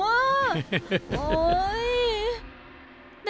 โอ้โห